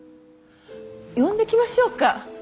呼んできましょうか？